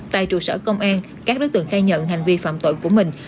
tại trụ sở công an các đối tượng khai nhận hành vi phạm tội của mình